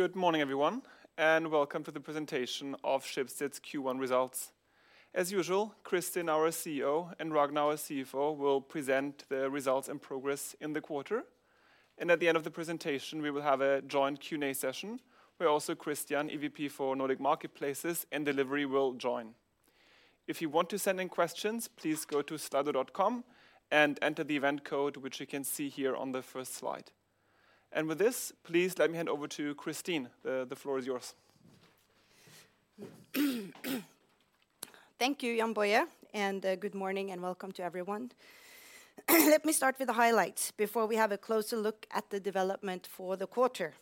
Good morning, everyone, welcome to the presentation of Schibsted's Q1 results. As usual, Kristin, our CEO, and Ragnar, our CFO, will present the results and progress in the quarter. At the end of the presentation, we will have a joint Q&A session where also Christian, EVP for Nordic Marketplaces and Delivery, will join. If you want to send in questions, please go to slido.com and enter the event code which you can see here on the first slide. With this, please let me hand over to Kristin. The floor is yours. Thank you, Jann-Bøje. Good morning and welcome to everyone. Let me start with the highlights before we have a closer look at the development for the quarter.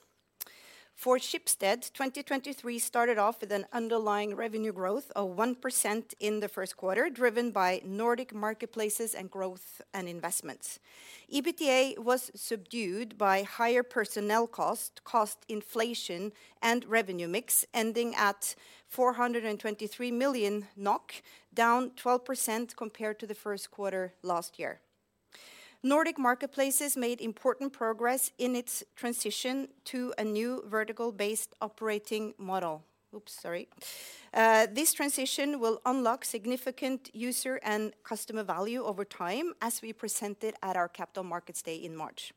For Schibsted, 2023 started off with an underlying revenue growth of 1% in the first quarter, driven by Nordic Marketplaces and Growth and Investments. EBITDA was subdued by higher personnel cost inflation, and revenue mix, ending at 423 million NOK, down 12% compared to the first quarter last year. Nordic Marketplaces made important progress in its transition to a new vertical-based operating model. Oops, sorry. This transition will unlock significant user and customer value over time, as we presented at our Capital Markets Day in March.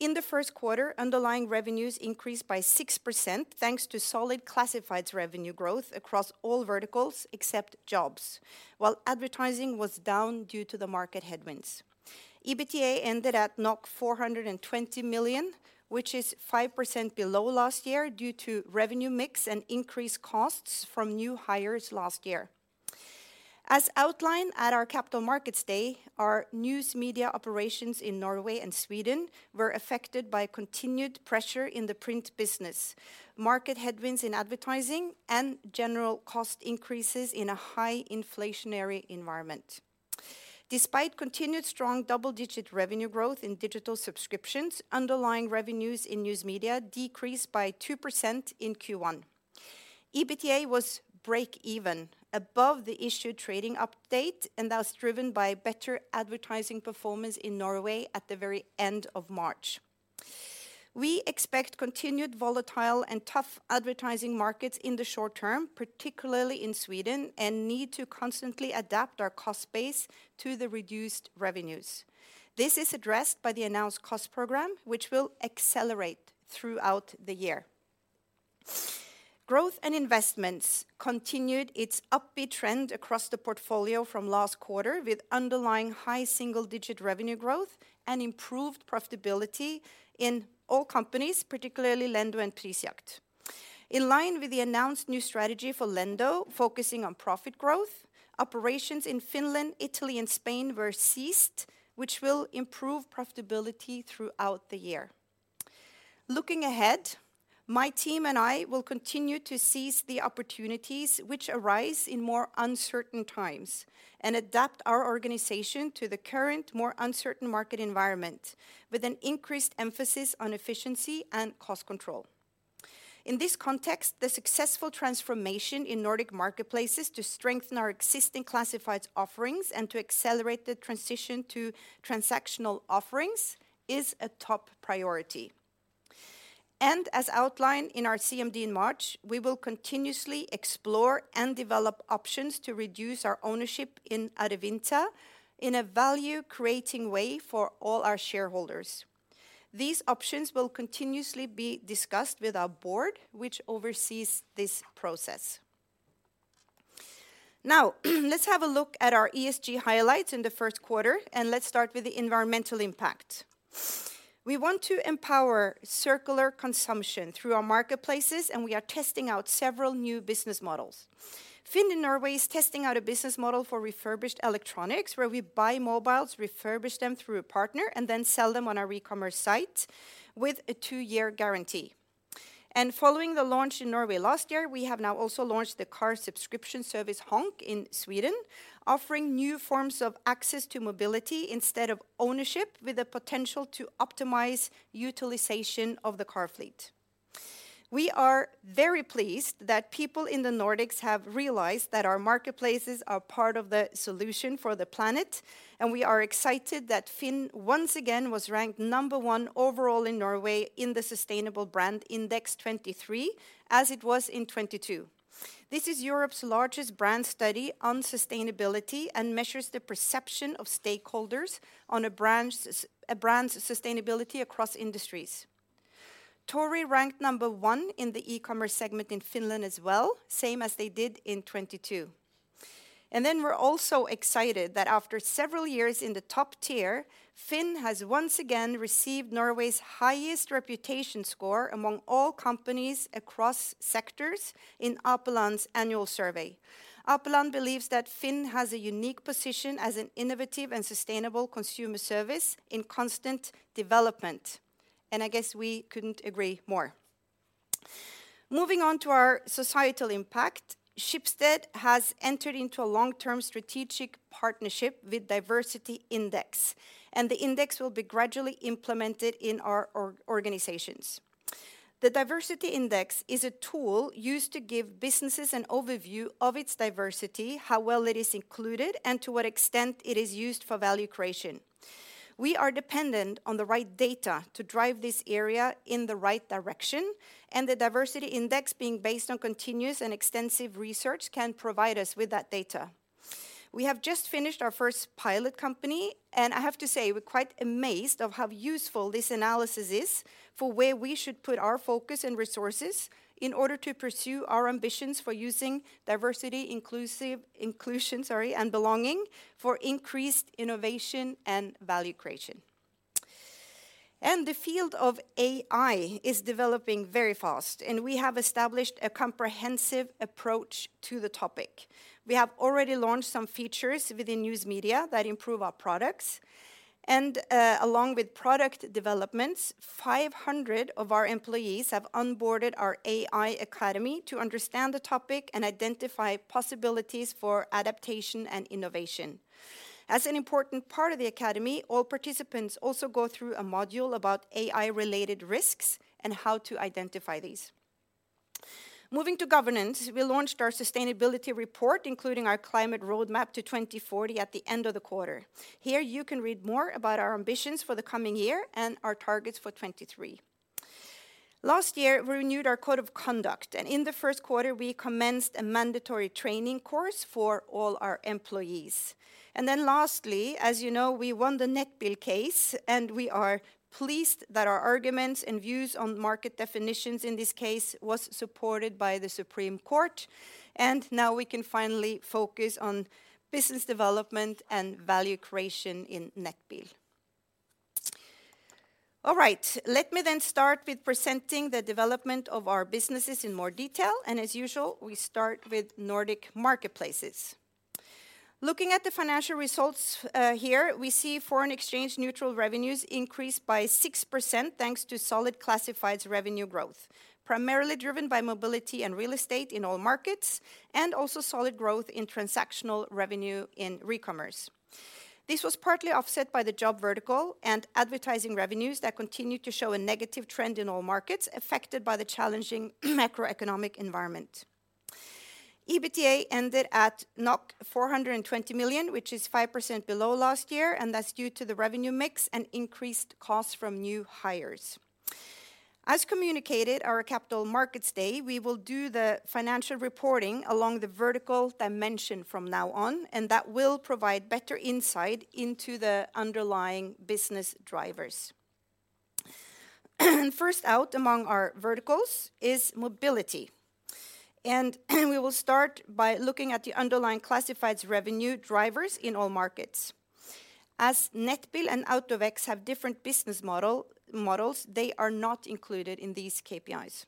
In the first quarter, underlying revenues increased by 6% thanks to solid classifieds revenue growth across all verticals except Jobs, while advertising was down due to the market headwinds. EBITDA ended at 420 million, which is 5% below last year due to revenue mix and increased costs from new hires last year. As outlined at our Capital Markets Day, our News Media operations in Norway and Sweden were affected by continued pressure in the print business, market headwinds in advertising, and general cost increases in a high inflationary environment. Despite continued strong double-digit revenue growth in digital subscriptions, underlying revenues in News Media decreased by 2% in Q1. EBITDA was break even, above the issued trading update. That was driven by better advertising performance in Norway at the very end of March. We expect continued volatile and tough advertising markets in the short term, particularly in Sweden, and need to constantly adapt our cost base to the reduced revenues. This is addressed by the announced cost program, which will accelerate throughout the year. Growth and Investments continued its upbeat trend across the portfolio from last quarter with underlying high single-digit revenue growth and improved profitability in all companies, particularly Lendo and Prisjakt. In line with the announced new strategy for Lendo focusing on profit growth, operations in Finland, Italy, and Spain were ceased, which will improve profitability throughout the year. Looking ahead, my team and I will continue to seize the opportunities which arise in more uncertain times and adapt our organization to the current more uncertain market environment with an increased emphasis on efficiency and cost control. In this context, the successful transformation in Nordic Marketplaces to strengthen our existing classifieds offerings and to accelerate the transition to transactional offerings is a top priority. As outlined in our CMD in March, we will continuously explore and develop options to reduce our ownership in Adevinta in a value-creating way for all our shareholders. These options will continuously be discussed with our board, which oversees this process. Now, let's have a look at our ESG highlights in the first quarter, and let's start with the environmental impact. We want to empower circular consumption through our marketplaces, and we are testing out several new business models. FINN in Norway is testing out a business model for refurbished electronics where we buy mobiles, refurbish them through a partner, and then sell them on our e-commerce site with a two-year guarantee. Following the launch in Norway last year, we have now also launched the car subscription service, HONK, in Sweden, offering new forms of access to mobility instead of ownership with the potential to optimize utilization of the car fleet. We are very pleased that people in the Nordics have realized that our marketplaces are part of the solution for the planet, and we are excited that FINN once again was ranked number one overall in Norway in the Sustainable Brand Index 2023, as it was in 2022. This is Europe's largest brand study on sustainability and measures the perception of stakeholders on a brand's sustainability across industries. Tori ranked number one in the e-commerce segment in Finland as well, same as they did in 2022. We're also excited that after several years in the top tier, FINN has once again received Norway's highest reputation score among all companies across sectors in Apeland's annual survey. Apeland believes that FINN has a unique position as an innovative and sustainable consumer service in constant development, I guess we couldn't agree more. Moving on to our societal impact, Schibsted has entered into a long-term strategic partnership with Diversity Index, the index will be gradually implemented in our organizations. The Diversity Index is a tool used to give businesses an overview of its diversity, how well it is included, and to what extent it is used for value creation. We are dependent on the right data to drive this area in the right direction, the Diversity Index being based on continuous and extensive research can provide us with that data. I have to say we're quite amazed of how useful this analysis is for where we should put our focus and resources in order to pursue our ambitions for using diversity inclusion, sorry, and belonging for increased innovation and value creation. The field of AI is developing very fast, and we have established a comprehensive approach to the topic. We have already launched some features within News Media that improve our products, and along with product developments, 500 of our employees have onboarded our AI Academy to understand the topic and identify possibilities for adaptation and innovation. As an important part of the academy, all participants also go through a module about AI-related risks and how to identify these. Moving to governance, we launched our sustainability report, including our climate roadmap to 2040 at the end of the quarter. Here you can read more about our ambitions for the coming year and our targets for 2023. Last year, we renewed our code of conduct. In the first quarter, we commenced a mandatory training course for all our employees. Lastly, as you know, we won the Nettbil case. We are pleased that our arguments and views on market definitions in this case was supported by the Supreme Court. Now we can finally focus on business development and value creation in Nettbil. All right. Let me start with presenting the development of our businesses in more detail. As usual, we start with Nordic Marketplaces. Looking at the financial results, here, we see foreign exchange neutral revenues increased by 6% thanks to solid classifieds revenue growth, primarily driven by mobility and real estate in all markets and also solid growth in transactional revenue in Recommerce. This was partly offset by the job vertical and advertising revenues that continued to show a negative trend in all markets affected by the challenging macroeconomic environment. EBITDA ended at 420 million, which is 5% below last year, and that's due to the revenue mix and increased costs from new hires. As communicated, our Capital Markets Day, we will do the financial reporting along the vertical dimension from now on, and that will provide better insight into the underlying business drivers. First out among our verticals is mobility. We will start by looking at the underlying classifieds revenue drivers in all markets. As Nettbil and AutoVex have different business models, they are not included in these KPIs.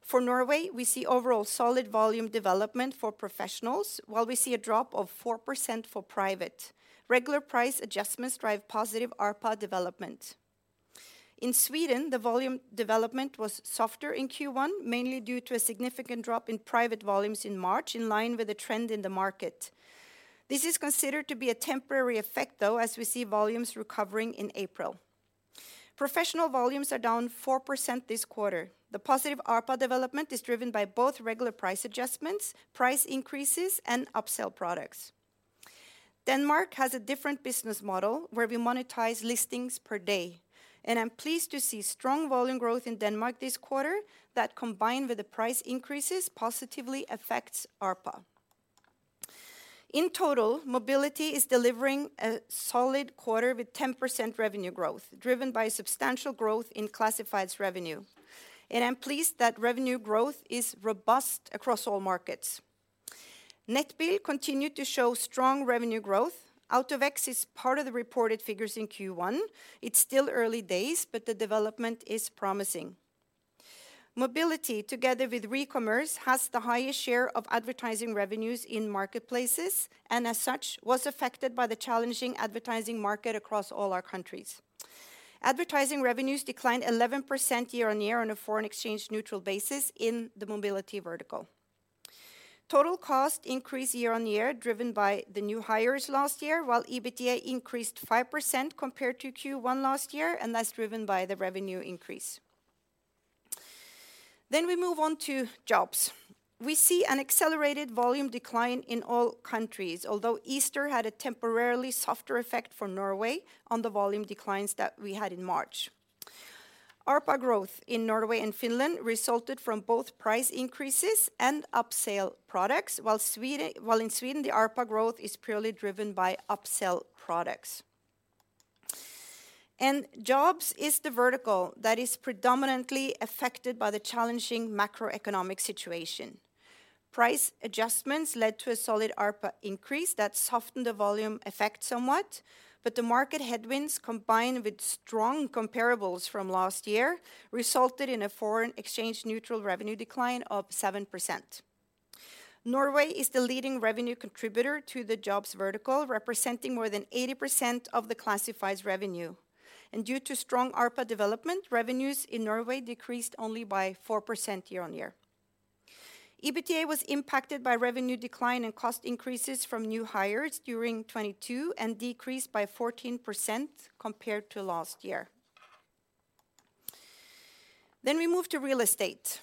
For Norway, we see overall solid volume development for professionals, while we see a drop of 4% for private. Regular price adjustments drive positive ARPA development. In Sweden, the volume development was softer in Q1, mainly due to a significant drop in private volumes in March in line with the trend in the market. This is considered to be a temporary effect, though, as we see volumes recovering in April. Professional volumes are down 4% this quarter. The positive ARPA development is driven by both regular price adjustments, price increases, and upsell products. Denmark has a different business model where we monetize listings per day, and I'm pleased to see strong volume growth in Denmark this quarter that, combined with the price increases, positively affects ARPA. In total, mobility is delivering a solid quarter with 10% revenue growth, driven by substantial growth in classifieds revenue. I'm pleased that revenue growth is robust across all markets. Nettbil continued to show strong revenue growth. AutoVex is part of the reported figures in Q1. It's still early days, but the development is promising. Mobility, together with Recommerce, has the highest share of advertising revenues in marketplaces and, as such, was affected by the challenging advertising market across all our countries. Advertising revenues declined 11% year-on-year on a foreign exchange neutral basis in the mobility vertical. Total cost increased year-on-year, driven by the new hires last year, while EBITDA increased 5% compared to Q1 last year, and that's driven by the revenue increase. We move on to jobs. We see an accelerated volume decline in all countries, although Easter had a temporarily softer effect for Norway on the volume declines that we had in March. ARPA growth in Norway and Finland resulted from both price increases and upsell products, while in Sweden, the ARPA growth is purely driven by upsell products. Jobs is the vertical that is predominantly affected by the challenging macroeconomic situation. Price adjustments led to a solid ARPA increase that softened the volume effect somewhat, the market headwinds, combined with strong comparables from last year, resulted in a foreign exchange neutral revenue decline of 7%. Norway is the leading revenue contributor to the jobs vertical, representing more than 80% of the classified's revenue. Due to strong ARPA development, revenues in Norway decreased only by 4% year-on-year. EBITA was impacted by revenue decline and cost increases from new hires during 2022 and decreased by 14% compared to last year. We move to real estate.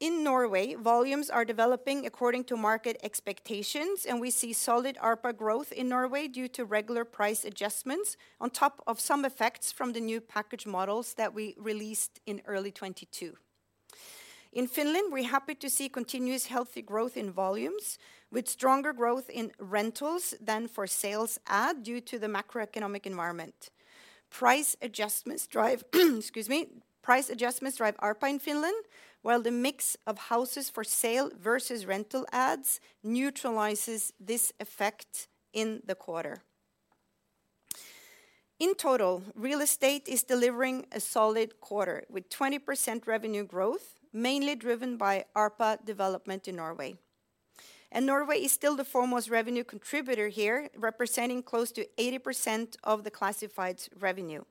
In Norway, volumes are developing according to market expectations, and we see solid ARPA growth in Norway due to regular price adjustments on top of some effects from the new package models that we released in early 2022. In Finland, we're happy to see continuous healthy growth in volumes, with stronger growth in rentals than for sales ad due to the macroeconomic environment. Price adjustments drive, excuse me. Price adjustments drive ARPA in Finland, while the mix of houses for sale versus rental ads neutralizes this effect in the quarter. In total, real estate is delivering a solid quarter with 20% revenue growth, mainly driven by ARPA development in Norway. Norway is still the foremost revenue contributor here, representing close to 80% of the classified's revenue.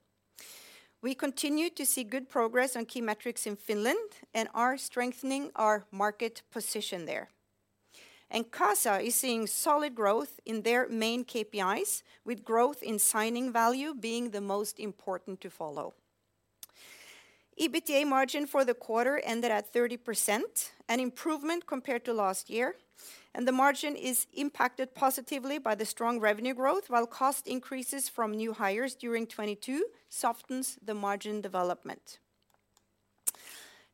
We continue to see good progress on key metrics in Finland and are strengthening our market position there. Casa is seeing solid growth in their main KPIs, with growth in signing value being the most important to follow. EBITDA margin for the quarter ended at 30%, an improvement compared to last year. The margin is impacted positively by the strong revenue growth, while cost increases from new hires during 2022 softens the margin development.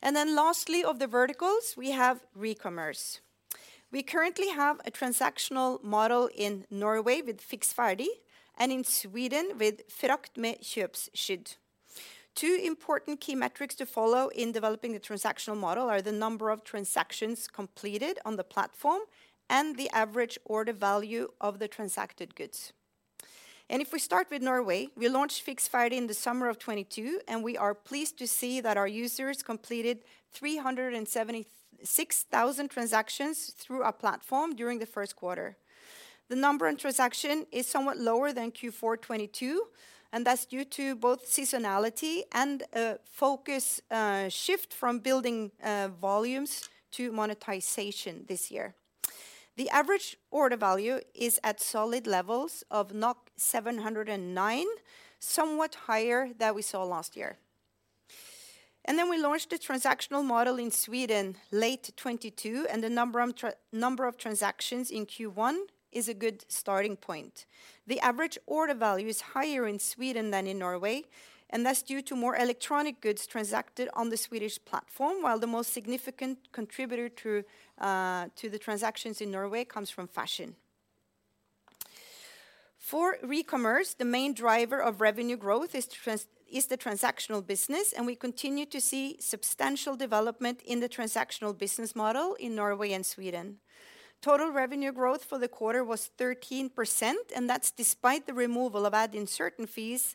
Lastly, of the verticals, we have Recommerce. We currently have a transactional model in Norway with Fiks ferdig and in Sweden with Frakt med köpskydd. Two important key metrics to follow in developing the transactional model are the number of transactions completed on the platform and the average order value of the transacted goods. If we start with Norway, we launched Fiks ferdig in the summer of 2022, and we are pleased to see that our users completed 376,000 transactions through our platform during the first quarter. The number in transaction is somewhat lower than Q4 2022, and that's due to both seasonality and a focus shift from building volumes to monetization this year. The average order value is at solid levels of 709, somewhat higher than we saw last year. Then we launched a transactional model in Sweden late 2022, and the number of transactions in Q1 is a good starting point. The average order value is higher in Sweden than in Norway, and that's due to more electronic goods transacted on the Swedish platform, while the most significant contributor to the transactions in Norway comes from fashion. For Recommerce, the main driver of revenue growth is the transactional business, and we continue to see substantial development in the transactional business model in Norway and Sweden. Total revenue growth for the quarter was 13%, and that's despite the removal of insertion fees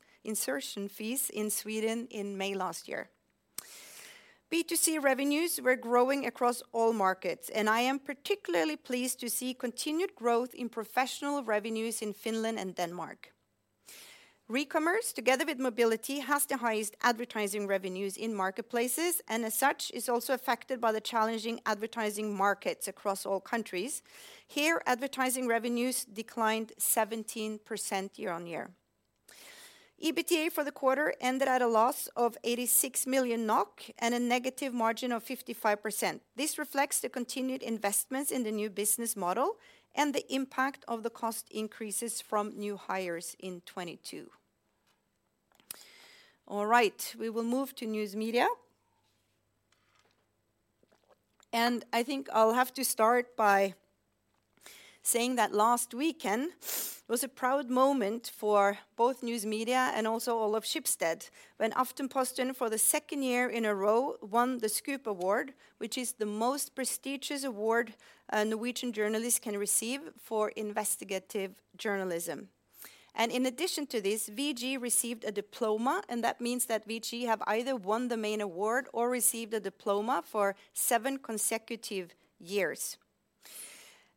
in Sweden in May last year. B2C revenues were growing across all markets, and I am particularly pleased to see continued growth in professional revenues in Finland and Denmark. Recommerce, together with mobility, has the highest advertising revenues in marketplaces, and as such, is also affected by the challenging advertising markets across all countries. Here, advertising revenues declined 17% year-on-year. EBITDA for the quarter ended at a loss of 86 million NOK and a negative margin of 55%. This reflects the continued investments in the new business model and the impact of the cost increases from new hires in 2022. All right, we will move to News Media. I think I'll have to start by saying that last weekend was a proud moment for both News Media and also all of Schibsted when Aftenposten, for the second year in a row, won the SKUP Award, which is the most prestigious award a Norwegian journalist can receive for investigative journalism. In addition to this, VG received a diploma, and that means that VG have either won the main award or received a diploma for seven consecutive years.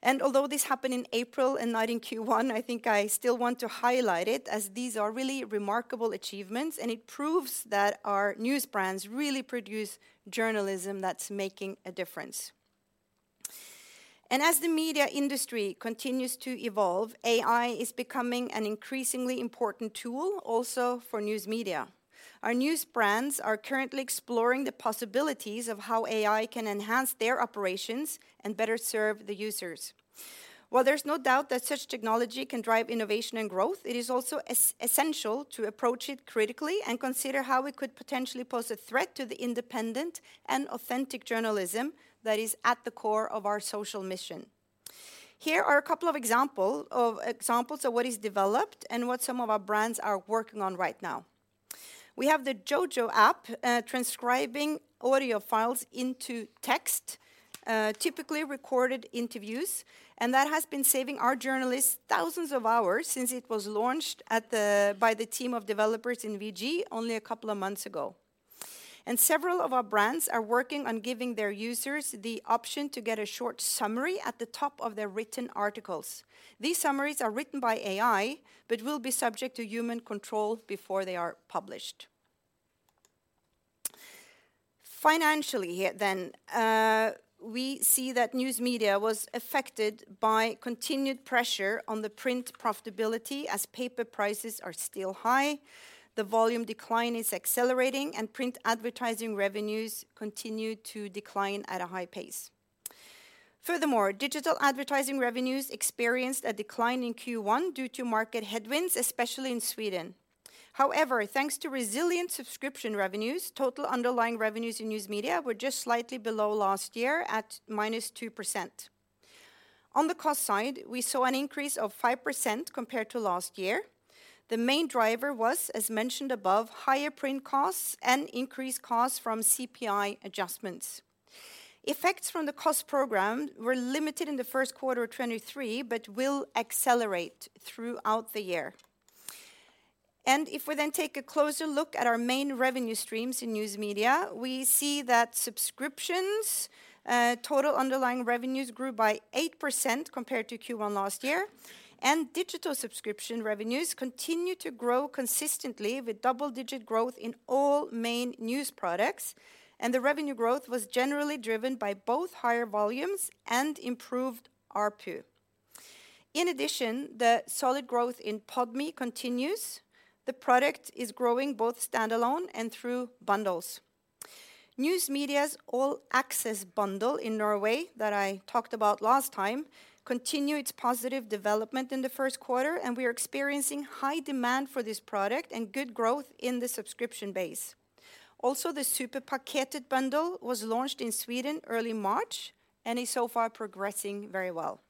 Although this happened in April and not in Q1, I think I still want to highlight it, as these are really remarkable achievements, and it proves that our news brands really produce journalism that's making a difference. As the media industry continues to evolve, AI is becoming an increasingly important tool also for News Media. Our news brands are currently exploring the possibilities of how AI can enhance their operations and better serve the users. While there's no doubt that such technology can drive innovation and growth, it is also essential to approach it critically and consider how it could potentially pose a threat to the independent and authentic journalism that is at the core of our social mission. Here are a couple of examples of what is developed and what some of our brands are working on right now. That has been saving our journalists thousands of hours since it was launched by the team of developers in VG only a couple of months ago. Several of our brands are working on giving their users the option to get a short summary at the top of their written articles. These summaries are written by AI, but will be subject to human control before they are published. Financially, we see that News Media was affected by continued pressure on the print profitability as paper prices are still high, the volume decline is accelerating, and print advertising revenues continue to decline at a high pace. Furthermore, digital advertising revenues experienced a decline in Q1 due to market headwinds, especially in Sweden. However, thanks to resilient subscription revenues, total underlying revenues in News Media were just slightly below last year at -2%. On the cost side, we saw an increase of 5% compared to last year. The main driver was, as mentioned above, higher print costs and increased costs from CPI adjustments. Effects from the cost program were limited in Q1 2023 but will accelerate throughout the year. If we then take a closer look at our main revenue streams in News Media, we see that subscriptions, total underlying revenues grew by 8% compared to Q1 last year, and digital subscription revenues continue to grow consistently with double-digit growth in all main news products, and the revenue growth was generally driven by both higher volumes and improved ARPU. In addition, the solid growth in Podme continues. The product is growing both standalone and through bundles. News Media's All Access bundle in Norway that I talked about last time continue its positive development in the first quarter, and we are experiencing high demand for this product and good growth in the subscription base. The Superpaketet bundle was launched in Sweden early March and is so far progressing very well.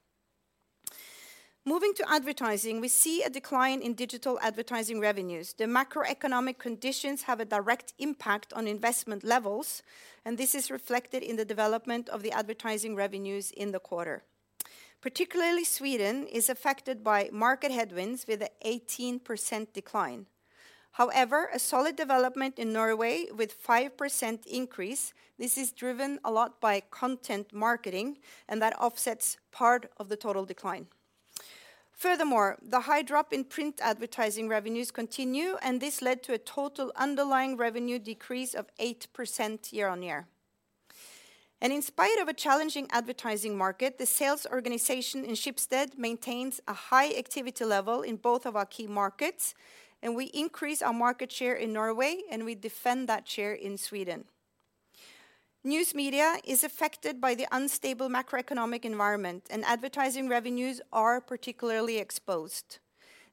Moving to advertising, we see a decline in digital advertising revenues. The macroeconomic conditions have a direct impact on investment levels, and this is reflected in the development of the advertising revenues in the quarter. Particularly Sweden is affected by market headwinds with a 18% decline. A solid development in Norway with 5% increase, this is driven a lot by content marketing, and that offsets part of the total decline. The high drop in print advertising revenues continue, and this led to a total underlying revenue decrease of 8% year-on-year. In spite of a challenging advertising market, the sales organization in Schibsted maintains a high activity level in both of our key markets, and we increase our market share in Norway, and we defend that share in Sweden. News Media is affected by the unstable macroeconomic environment, and advertising revenues are particularly exposed.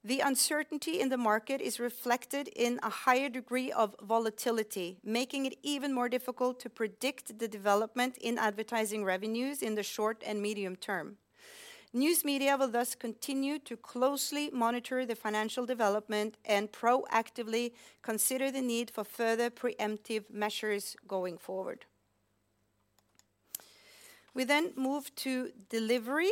The uncertainty in the market is reflected in a higher degree of volatility, making it even more difficult to predict the development in advertising revenues in the short and medium term. News Media will thus continue to closely monitor the financial development and proactively consider the need for further preemptive measures going forward. We move to Delivery.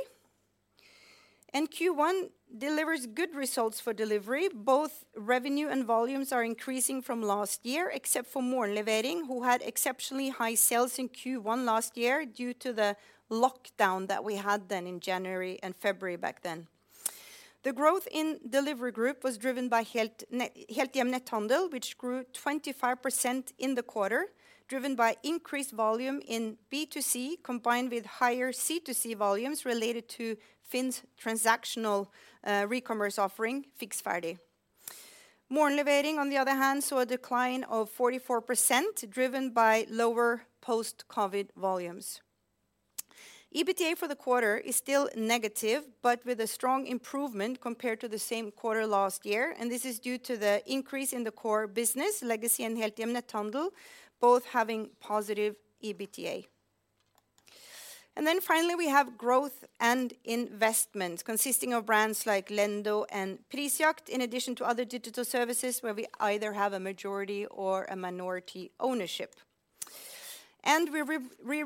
Q1 delivers good results for Delivery. Both revenue and volumes are increasing from last year, except for Morgenlevering, who had exceptionally high sales in Q1 last year due to the lockdown that we had then in January and February back then. The growth in Delivery Group was driven by Helthjem Netthandel, which grew 25% in the quarter, driven by increased volume in B2C, combined with higher C2C volumes related to FINN's transactional Recommerce offering, Fiks ferdig. Morgenlevering, on the other hand, saw a decline of 44%, driven by lower post-COVID volumes. EBITDA for the quarter is still negative but with a strong improvement compared to the same quarter last year. This is due to the increase in the core business, Legacy and Helthjem Netthandel both having positive EBITDA. Then finally, we have Growth & Investments consisting of brands like Lendo and Prisjakt, in addition to other digital services where we either have a majority or a minority ownership. We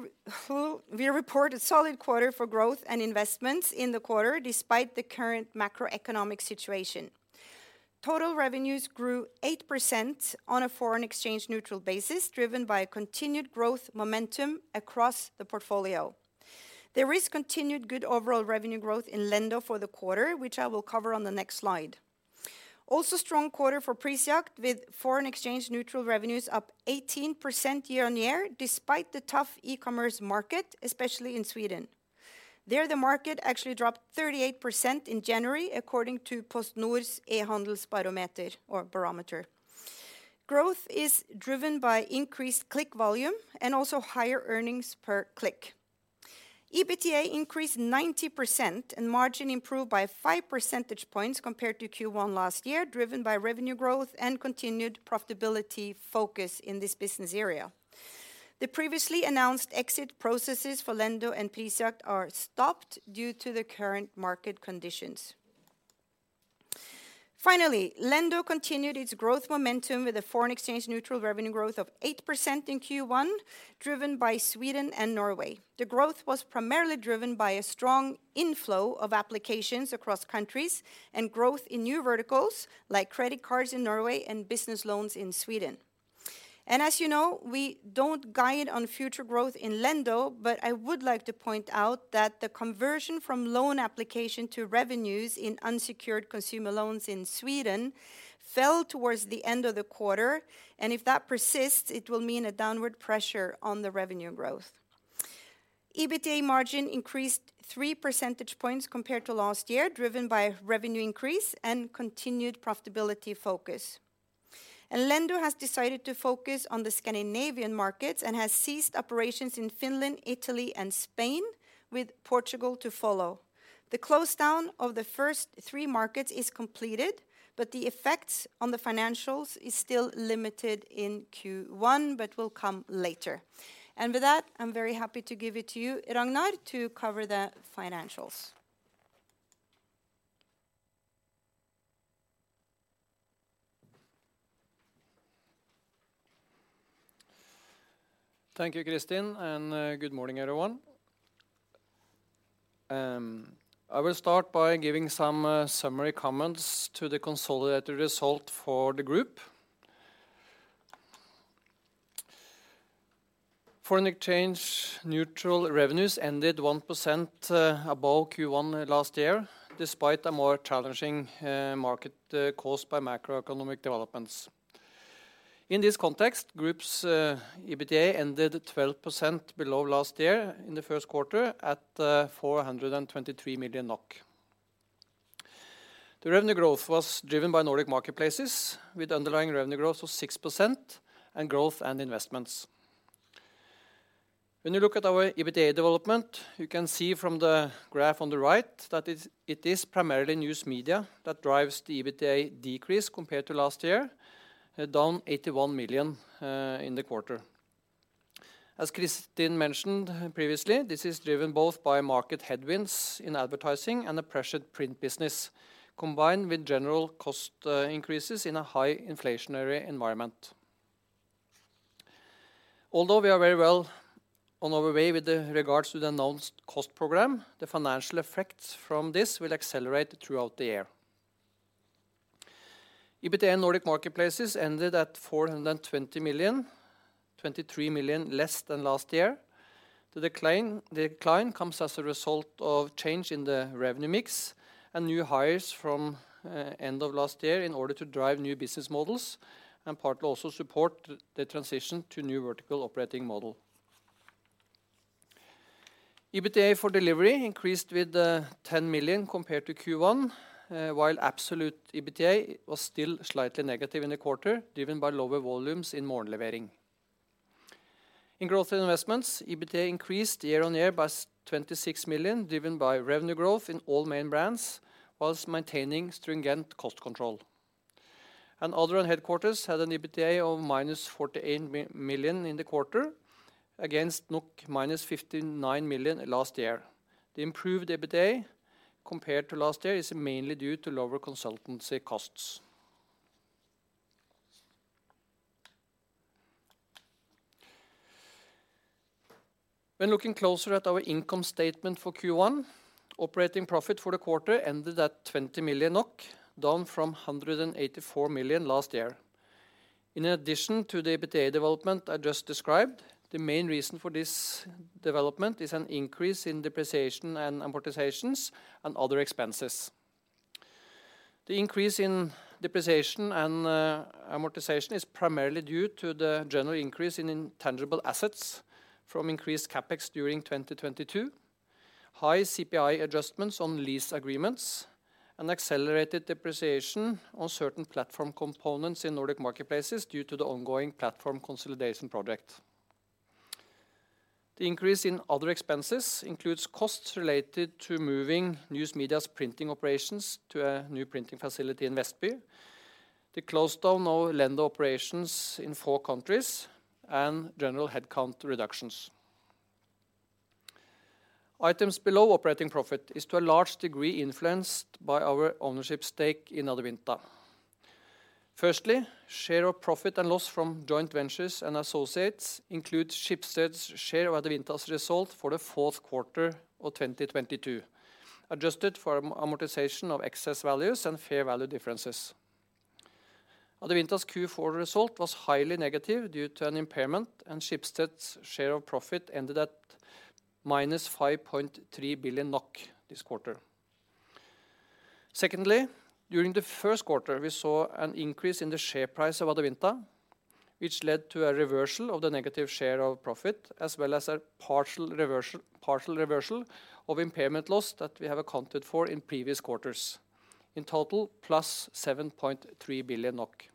report a solid quarter for Growth & Investments in the quarter despite the current macroeconomic situation. Total revenues grew 8% on a foreign exchange neutral basis, driven by a continued growth momentum across the portfolio. There is continued good overall revenue growth in Lendo for the quarter, which I will cover on the next slide. Also strong quarter for Prisjakt with foreign exchange neutral revenues up 18% year on year despite the tough e-commerce market, especially in Sweden. There, the market actually dropped 38% in January according to PostNord's E-handels barometer or barometer. Growth is driven by increased click volume and also higher earnings per click. EBITDA increased 90%, and margin improved by 5 percentage points compared to Q1 last year, driven by revenue growth and continued profitability focus in this business area. The previously announced exit processes for Lendo and Prisjakt are stopped due to the current market conditions. Finally, Lendo continued its growth momentum with a foreign exchange neutral revenue growth of 8% in Q1, driven by Sweden and Norway. The growth was primarily driven by a strong inflow of applications across countries and growth in new verticals like credit cards in Norway and business loans in Sweden. As you know, we don't guide on future growth in Lendo, but I would like to point out that the conversion from loan application to revenues in unsecured consumer loans in Sweden fell towards the end of the quarter. If that persists, it will mean a downward pressure on the revenue growth. EBITDA margin increased three percentage points compared to last year, driven by revenue increase and continued profitability focus. Lendo has decided to focus on the Scandinavian markets and has ceased operations in Finland, Italy, and Spain, with Portugal to follow. The close down of the first three markets is completed, but the effects on the financials is still limited in Q1 but will come later. With that, I'm very happy to give it to you, Ragnar, to cover the financials. Thank you, Kristin, good morning, everyone. I will start by giving some summary comments to the consolidated result for the group. Foreign exchange neutral revenues ended 1% above Q1 last year, despite a more challenging market caused by macroeconomic developments. In this context, group's EBITDA ended 12% below last year in the first quarter at 423 million NOK. The revenue growth was driven by Nordic Marketplaces, with underlying revenue growth of 6% and Growth & Investments. When you look at our EBITDA development, you can see from the graph on the right that it is primarily News Media that drives the EBITDA decrease compared to last year, down 81 million in the quarter. As Kristin mentioned previously, this is driven both by market headwinds in advertising and the pressured print business, combined with general cost increases in a high inflationary environment. We are very well on our way with the regards to the announced cost program, the financial effects from this will accelerate throughout the year. EBITDA in Nordic Marketplaces ended at 420 million, 23 million less than last year. The decline comes as a result of change in the revenue mix and new hires from end of last year in order to drive new business models and partly also support the transition to new vertical operating model. EBITDA for Delivery increased with 10 million compared to Q1, while absolute EBITDA was still slightly negative in the quarter, driven by lower volumes in Morgenlevering. In Growth & Investments, EBITDA increased year-on-year by 26 million, driven by revenue growth in all main brands, whilst maintaining stringent cost control. Other and Headquarters had an EBITDA of minus 48 million in the quarter against NOK minus 59 million last year. The improved EBITDA compared to last year is mainly due to lower consultancy costs. Looking closer at our income statement for Q1, operating profit for the quarter ended at 20 million NOK, down from 184 million last year. In addition to the EBITDA development I just described, the main reason for this development is an increase in depreciation and amortizations and other expenses. The increase in depreciation and amortization is primarily due to the general increase in intangible assets from increased CapEx during 2022, high CPI adjustments on lease agreements, and accelerated depreciation on certain platform components in Nordic Marketplaces due to the ongoing platform consolidation project. The increase in other expenses includes costs related to moving News Media's printing operations to a new printing facility in Vestby, the closed down of Lendo operations in 4 countries, and general headcount reductions. Items below operating profit is to a large degree influenced by our ownership stake in Adevinta. Firstly, share of profit and loss from joint ventures and associates includes Schibsted's share of Adevinta's result for the fourth quarter of 2022, adjusted for amortization of excess values and fair value differences. Adevinta's Q4 result was highly negative due to an impairment, and Schibsted's share of profit ended at -5.3 billion NOK this quarter. Secondly, during the first quarter, we saw an increase in the share price of Adevinta, which led to a reversal of the negative share of profit as well as a partial reversal of impairment loss that we have accounted for in previous quarters, in total, +7.3 billion NOK.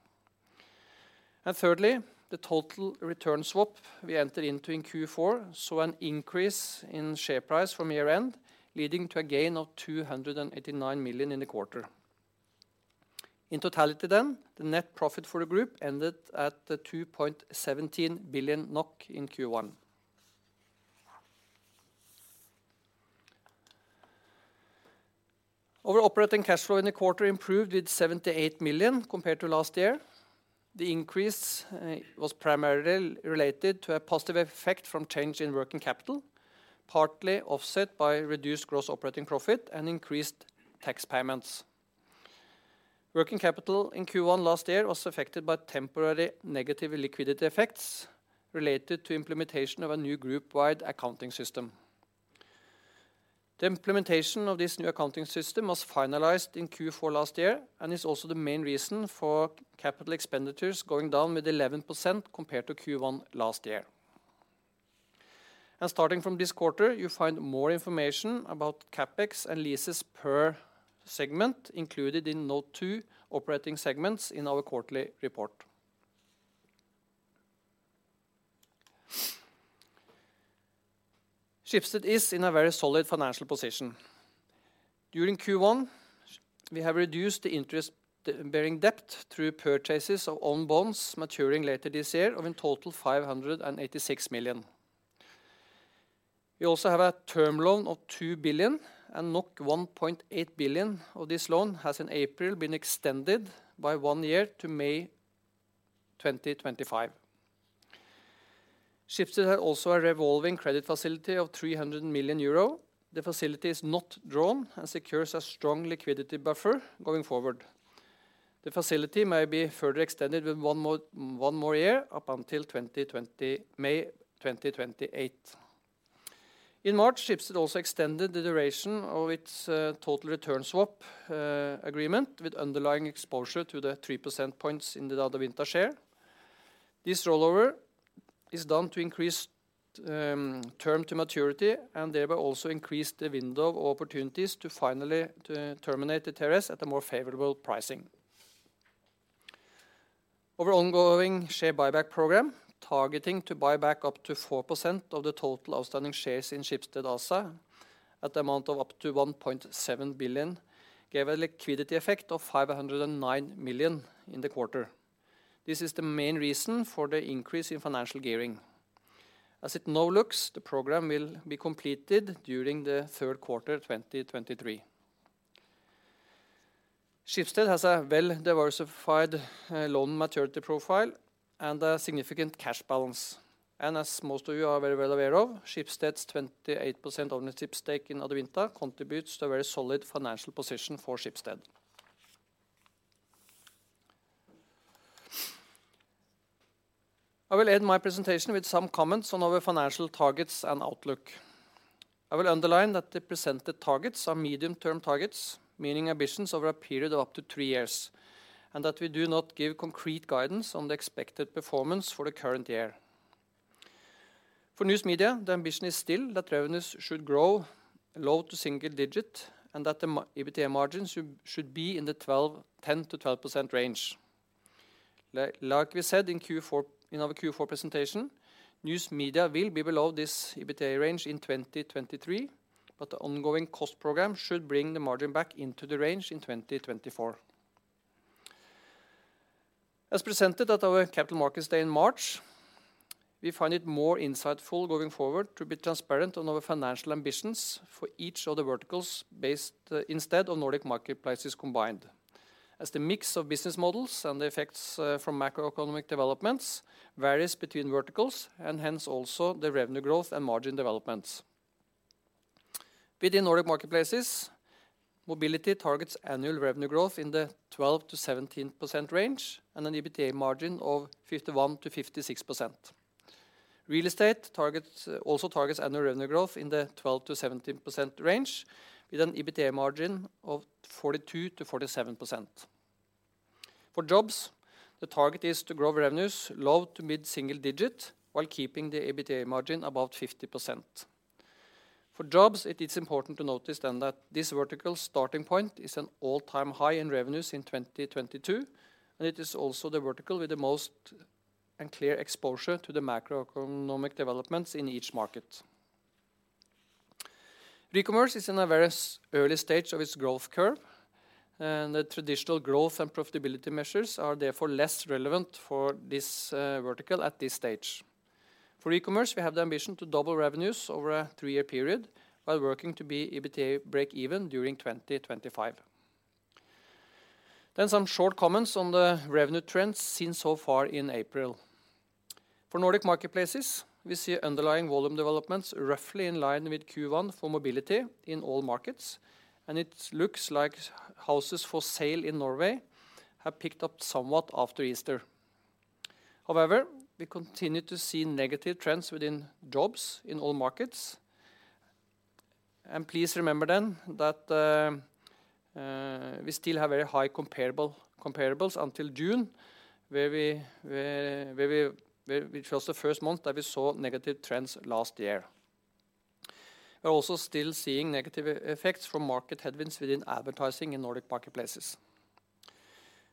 Thirdly, the total return swap we entered into in Q4 saw an increase in share price from year-end, leading to a gain of 289 million in the quarter. In totality then, the net profit for the group ended at 2.17 billion NOK in Q1. Our operating cash flow in the quarter improved with 78 million compared to last year. The increase was primarily related to a positive effect from change in working capital, partly offset by reduced gross operating profit and increased tax payments. Working capital in Q1 last year was affected by temporary negative liquidity effects related to implementation of a new group-wide accounting system. The implementation of this new accounting system was finalized in Q4 last year and is also the main reason for capital expenditures going down with 11% compared to Q1 last year. Starting from this quarter, you find more information about CapEx and leases per segment included in note two operating segments in our quarterly report. Schibsted is in a very solid financial position. During Q1, we have reduced the interest bearing debt through purchases of own bonds maturing later this year of in total 586 million. We also have a term loan of 2 billion and 1.8 billion of this loan has in April been extended by one year to May 2025. Schibsted has also a revolving credit facility of 300 million euro. The facility is not drawn and secures a strong liquidity buffer going forward. The facility may be further extended with one more year up until May 2028. In March, Schibsted also extended the duration of its total return swap agreement with underlying exposure to the 3 percent points in the Adevinta share. This rollover is done to increase term to maturity and thereby also increase the window of opportunities to terminate the TRS at a more favorable pricing. Our ongoing share buyback program, targeting to buy back up to 4% of the total outstanding shares in Schibsted ASA at amount of up to 1.7 billion, gave a liquidity effect of 509 million in the quarter. This is the main reason for the increase in financial gearing. As it now looks, the program will be completed during the third quarter 2023. Schibsted has a well-diversified loan maturity profile and a significant cash balance. As most of you are very well aware of, Schibsted's 28% ownership stake in Adevinta contributes to a very solid financial position for Schibsted. I will end my presentation with some comments on our financial targets and outlook. I will underline that the presented targets are medium-term targets, meaning ambitions over a period of up to 3 years, and that we do not give concrete guidance on the expected performance for the current year. For News Media, the ambition is still that revenues should grow low to single digit and that the EBITDA margins should be in the 10%-12% range. Like we said in our Q4 presentation, News Media will be below this EBITDA range in 2023, but the ongoing cost program should bring the margin back into the range in 2024. As presented at our Capital Markets Day in March, we find it more insightful going forward to be transparent on our financial ambitions for each of the verticals based instead of Nordic Marketplaces combined. As the mix of business models and the effects from macroeconomic developments varies between verticals and hence also the revenue growth and margin developments. Within Nordic Marketplaces, mobility targets annual revenue growth in the 12%-17% range and an EBITDA margin of 51%-56%. Real estate targets also targets annual revenue growth in the 12%-17% range with an EBITDA margin of 42%-47%. For Jobs, the target is to grow revenues low to mid-single digit while keeping the EBITDA margin above 50%. For Jobs, it is important to notice then that this vertical's starting point is an all-time high in revenues in 2022, and it is also the vertical with the most and clear exposure to the macroeconomic developments in each market. Recommerce is in a very early stage of its growth curve, and the traditional growth and profitability measures are therefore less relevant for this vertical at this stage. For Recommerce, we have the ambition to double revenues over a three-year period while working to be EBITDA breakeven during 2025. Some short comments on the revenue trends seen so far in April. For Nordic Marketplaces, we see underlying volume developments roughly in line with Q1 for mobility in all markets, and it looks like houses for sale in Norway have picked up somewhat after Easter. However, we continue to see negative trends within Jobs in all markets. Please remember then that we still have very high comparables until June, which was the first month that we saw negative trends last year. We are also still seeing negative effects from market headwinds within advertising in Nordic Marketplaces.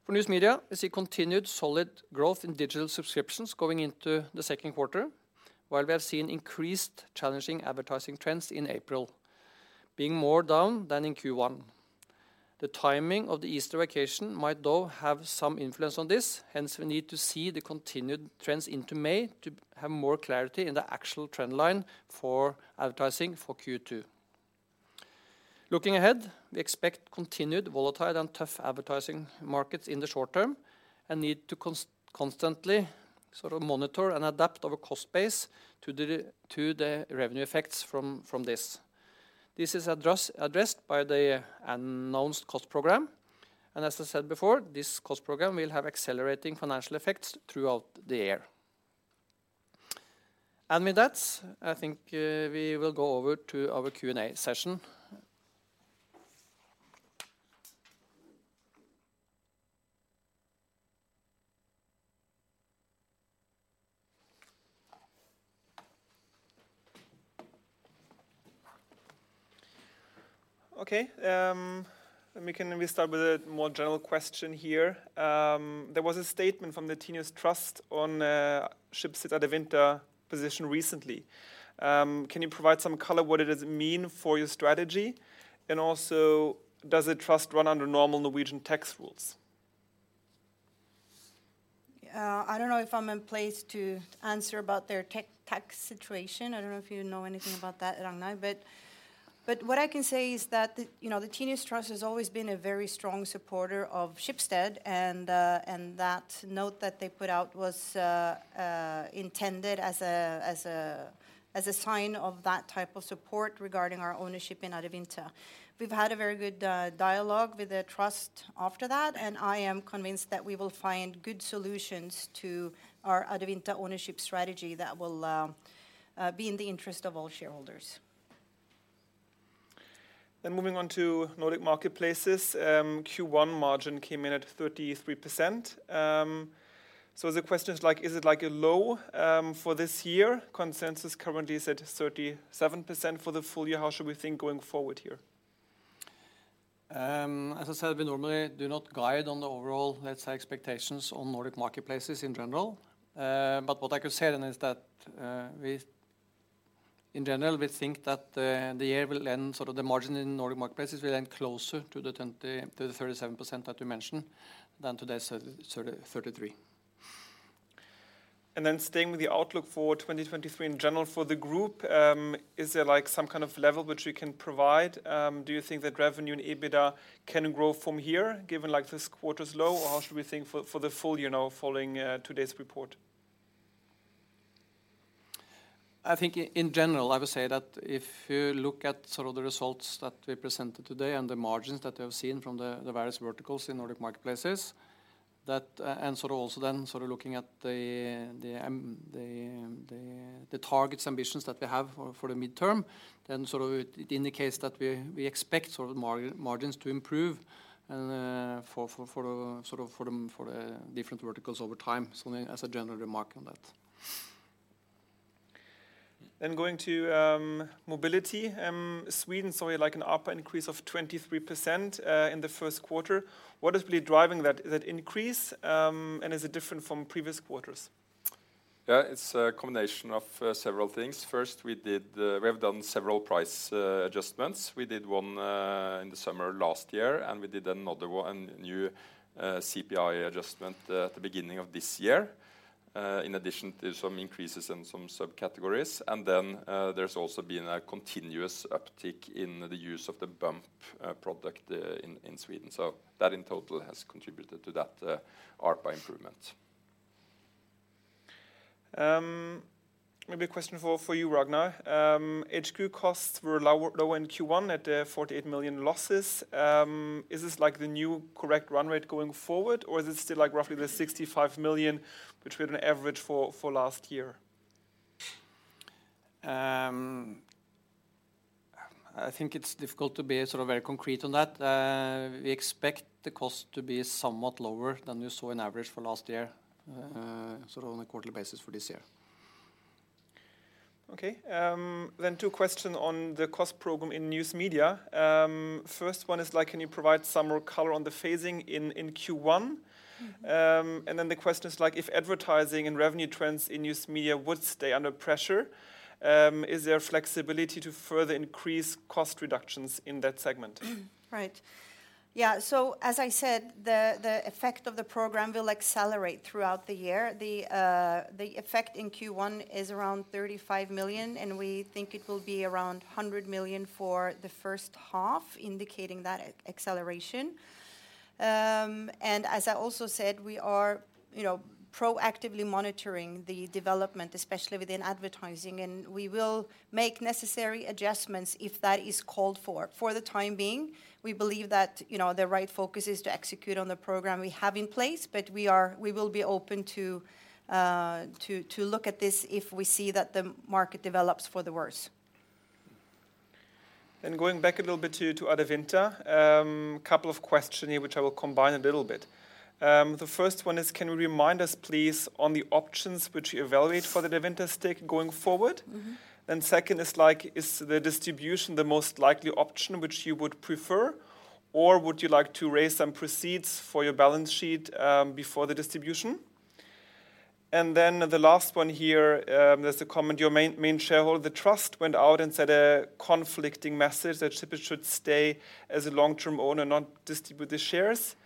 For News Media, we see continued solid growth in digital subscriptions going into the second quarter, while we have seen increased challenging advertising trends in April, being more down than in Q1. The timing of the Easter vacation might though have some influence on this. Hence, we need to see the continued trends into May to have more clarity in the actual trend line for advertising for Q2. Looking ahead, we expect continued volatile and tough advertising markets in the short term and need to constantly sort of monitor and adapt our cost base to the revenue effects from this. This is addressed by the announced cost program. As I said before, this cost program will have accelerating financial effects throughout the year. With that, I think, we will go over to our Q&A session. Okay. We start with a more general question here. There was a statement from the Tinius Trust on Schibsted and Adevinta position recently. Can you provide some color what it is mean for your strategy? Also, does the trust run under normal Norwegian tax rules? I don't know if I'm in place to answer about their tax situation. I don't know if you know anything about that, Ragnar. What I can say is that you know, the Tinius Trust has always been a very strong supporter of Schibsted, and that note that they put out was intended as a sign of that type of support regarding our ownership in Adevinta. We've had a very good dialogue with the trust after that, and I am convinced that we will find good solutions to our Adevinta ownership strategy that will be in the interest of all shareholders. Moving on to Nordic Marketplaces. Q1 margin came in at 33%. The question is like, is it like a low, for this year? Consensus currently is at 37% for the full year. How should we think going forward here? As I said, we normally do not guide on the overall, let's say, expectations on Nordic Marketplaces in general. What I could say then is that we in general, we think that the year will end, sort of the margin in Nordic Marketplaces will end closer to the 37% that you mentioned than today's 33%. Staying with the outlook for 2023 in general for the group, is there like some kind of level which we can provide? Do you think that revenue and EBITDA can grow from here given like this quarter's low? How should we think for the full year now following today's report? I think in general, I would say that if you look at sort of the results that we presented today and the margins that we have seen from the various verticals in Nordic Marketplaces, that and sort of also then sort of looking at the targets ambitions that we have for the midterm, then sort of it indicates that we expect sort of margins to improve for the different verticals over time. As a general remark on that. Going to mobility. Sweden saw like an ARPA increase of 23% in the first quarter. What is really driving that increase? Is it different from previous quarters? Yeah. It's a combination of several things. First, we have done several price adjustments. We did 1 in the summer of last year, and we did another 1, a new CPI adjustment, at the beginning of this year. In addition to some increases in some subcategories. There's also been a continuous uptick in the use of the Bump product in Sweden. In total has contributed to that ARPA improvement. Maybe a question for you, Ragnar. HG costs were lower in Q1 at 48 million losses. Is this like the new correct run rate going forward, or is it still like roughly the 65 million, which we had an average for last year? I think it's difficult to be sort of very concrete on that. We expect the cost to be somewhat lower than you saw in average for last year, sort of on a quarterly basis for this year. Okay. Two question on the cost program in News Media. First one is, can you provide some more color on the phasing in Q1? The question is, if advertising and revenue trends in News Media would stay under pressure, is there flexibility to further increase cost reductions in that segment? Right. Yeah. As I said, the effect of the program will accelerate throughout the year. The effect in Q1 is around 35 million, and we think it will be around 100 million for the first half, indicating that acceleration. As I also said, we are, you know, proactively monitoring the development, especially within advertising, and we will make necessary adjustments if that is called for. For the time being, we believe that, you know, the right focus is to execute on the program we have in place, but we will be open to look at this if we see that the market develops for the worse. Going back a little bit to Adevinta. Couple of question here, which I will combine a little bit. The first one is, can you remind us, please, on the options which you evaluate for the Adevinta stake going forward? Mm-hmm. Second is like, is the distribution the most likely option which you would prefer, or would you like to raise some proceeds for your balance sheet before the distribution? The last one here, there's a comment. Your main shareholder, the trust, went out and said a conflicting message that Schibsted should stay as a long-term owner, not distribute the shares.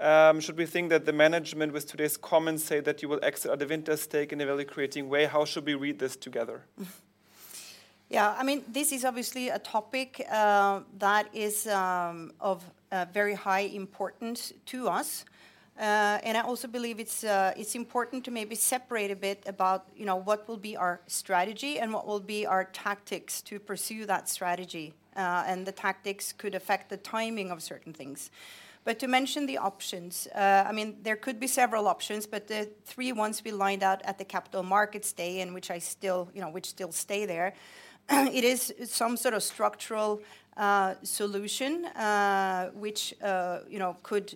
Should we think that the management with today's comments say that you will exit Adevinta stake in a value-creating way? How should we read this together? Yeah, I mean, this is obviously a topic that is of very high importance to us. I also believe it's important to maybe separate a bit about, you know, what will be our strategy and what will be our tactics to pursue that strategy, and the tactics could affect the timing of certain things. To mention the options, I mean, there could be several options, but the 3 ones we lined out at the Capital Markets Day in which I still, you know, which still stay there. It is some sort of structural solution, which, you know, could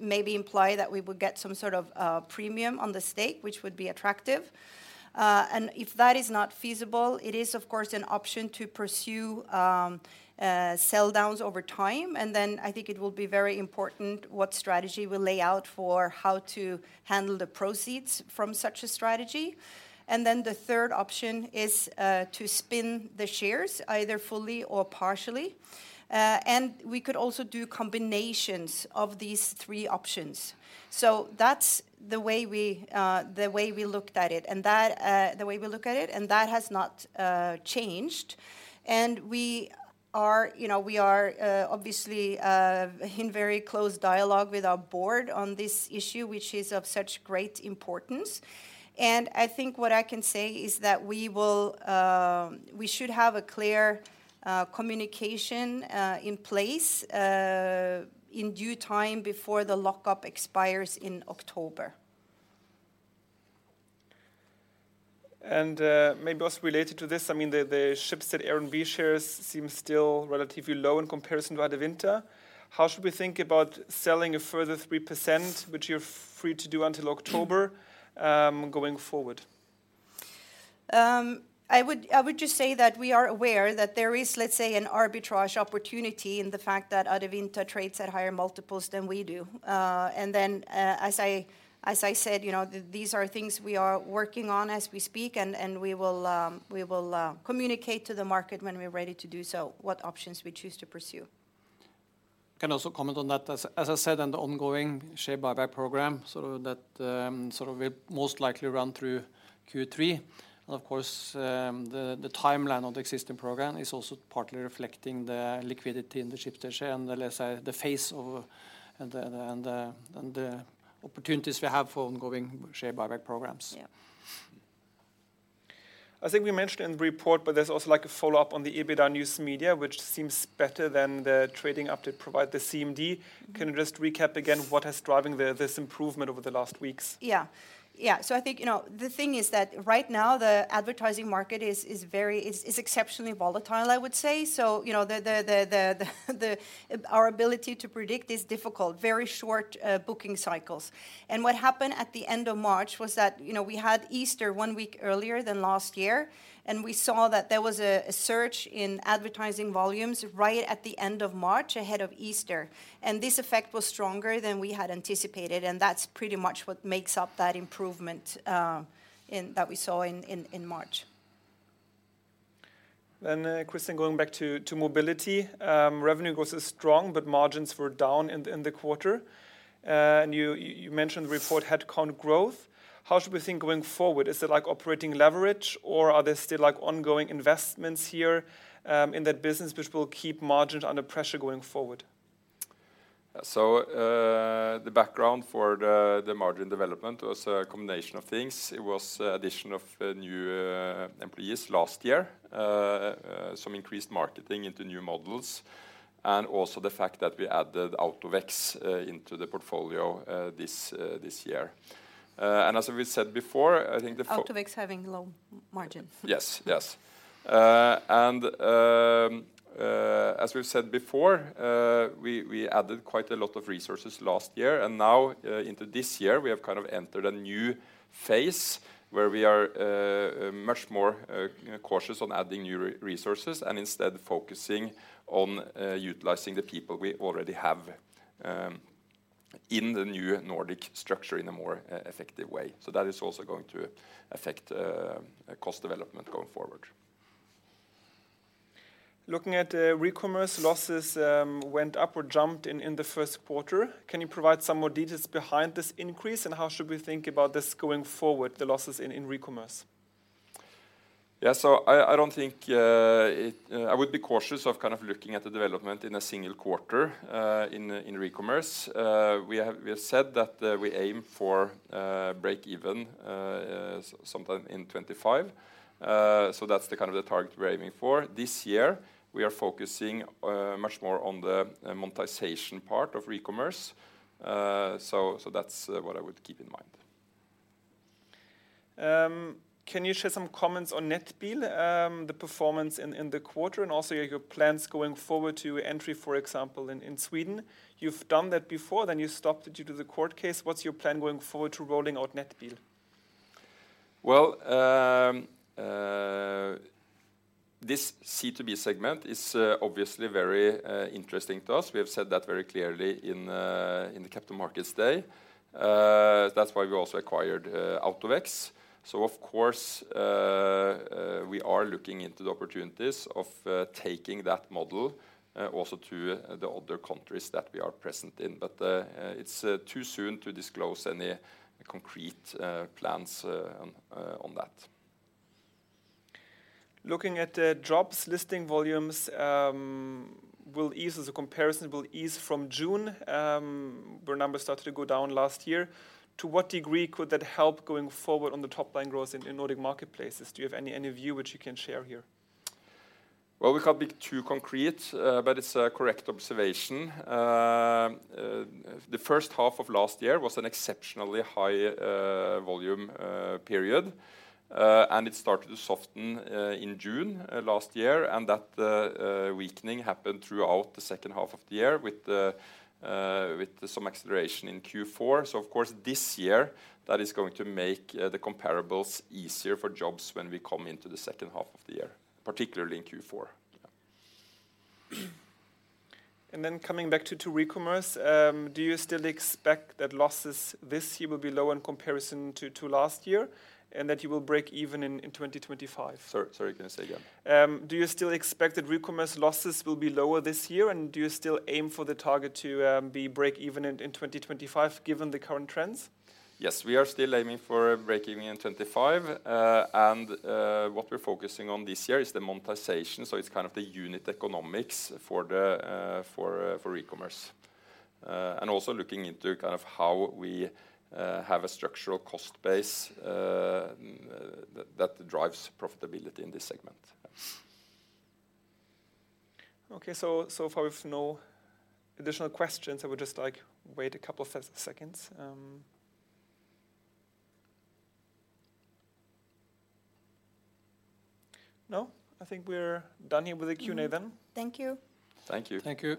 maybe imply that we would get some sort of premium on the stake, which would be attractive. If that is not feasible, it is of course an option to pursue sell downs over time. I think it will be very important what strategy we'll lay out for how to handle the proceeds from such a strategy. The third option is to spin the shares either fully or partially. We could also do combinations of these three options. That's the way we looked at it, and that the way we look at it, and that has not changed. We are, you know, we are obviously in very close dialogue with our board on this issue, which is of such great importance. I think what I can say is that we will, we should have a clear communication in place in due time before the lockup expires in October. Maybe also related to this, I mean, the Schibsted A and B shares seem still relatively low in comparison to Adevinta. How should we think about selling a further 3%, which you're free to do until October, going forward? I would just say that we are aware that there is, let's say, an arbitrage opportunity in the fact that Adevinta trades at higher multiples than we do. As I said, you know, these are things we are working on as we speak, and we will communicate to the market when we're ready to do so what options we choose to pursue. Can I also comment on that? As I said, on the ongoing share buyback program, sort of that, sort of will most likely run through Q3. Of course, the timeline of the existing program is also partly reflecting the liquidity in the Schibsted share and the, let's say, the phase of, and the opportunities we have for ongoing share buyback programs. Yeah. I think we mentioned in the report, but there's also like a follow-up on the EBITDA News Media, which seems better than the trading update provided the CMD. Can you just recap again what is driving this improvement over the last weeks? Yeah. Yeah. I think, you know, the thing is that right now the advertising market is exceptionally volatile, I would say. You know, our ability to predict is difficult, very short booking cycles. What happened at the end of March was that, you know, we had Easter one week earlier than last year, and we saw that there was a surge in advertising volumes right at the end of March ahead of Easter. This effect was stronger than we had anticipated, and that's pretty much what makes up that improvement that we saw in March. Christian, going back to Mobility. Revenue growth is strong, but margins were down in the quarter. You mentioned the report head count growth. How should we think going forward? Is it like operating leverage or are there still like ongoing investments here in that business which will keep margins under pressure going forward? The background for the margin development was a combination of things. It was addition of, new, employees last year, some increased marketing into new models, and also the fact that we added AutoVex, into the portfolio, this year. As we said before, I think AutoVex having low margins. Yes, yes. As we've said before, we added quite a lot of resources last year, and now, into this year, we have kind of entered a new phase where we are much more cautious on adding new resources and instead focusing on utilizing the people we already have in the new Nordic structure in a more effective way. That is also going to affect cost development going forward. Looking at Recommerce, losses, went up or jumped in the first quarter. Can you provide some more details behind this increase, and how should we think about this going forward, the losses in Recommerce? Yeah. I don't think I would be cautious of kind of looking at the development in a single quarter in Recommerce. We have said that we aim for break even sometime in 2025. That's the kind of the target we're aiming for. This year, we are focusing much more on the monetization part of Recommerce. That's what I would keep in mind. Can you share some comments on Nettbil, the performance in the quarter and also your plans going forward to entry, for example, in Sweden? You've done that before, then you stopped it due to the court case. What's your plan going forward to rolling out Nettbil? This C2B segment is obviously very interesting to us. We have said that very clearly in the Capital Markets Day. That's why we also acquired AutoVex. Of course, we are looking into the opportunities of taking that model also to the other countries that we are present in. It's too soon to disclose any concrete plans on that. Looking at the jobs listing volumes, will ease as a comparison, will ease from June, where numbers started to go down last year. To what degree could that help going forward on the top line growth in Nordic Marketplaces? Do you have any view which you can share here? Well, we can't be too concrete, but it's a correct observation. The first half of last year was an exceptionally high volume period. It started to soften in June last year, and that weakening happened throughout the second half of the year with some acceleration in Q4. Of course, this year, that is going to make the comparables easier for jobs when we come into the second half of the year, particularly in Q4. Coming back to Recommerce, do you still expect that losses this year will be low in comparison to last year and that you will break even in 2025? Sorry, can you say again? Do you still expect that Recommerce losses will be lower this year? Do you still aim for the target to be break even in 2025 given the current trends? Yes. We are still aiming for break even in 25. What we're focusing on this year is the monetization, so it's kind of the unit economics for the e-commerce. Also looking into kind of how we have a structural cost base that drives profitability in this segment. Okay. So far we've no additional questions. I would just like wait a couple of seconds. I think we're done here with the Q&A then. Mm-hmm. Thank you. Thank you. Thank you.